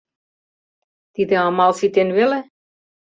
— Тиде амал ситен веле?